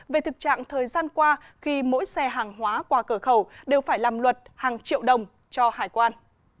về thực trạng thời gian qua khi mỗi xe hàng hóa qua cửa khẩu đều phải làm luật hàng triệu đồng cho hải quan